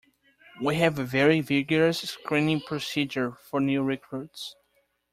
We have a very vigorous screening procedure for new recruits.